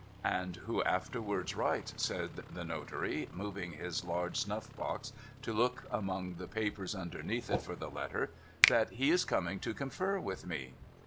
'— And who afterwards writes,' said the notary, moving his large snuff box to look among the papers underneath it for the letter, ' that he is coming to confer with me.'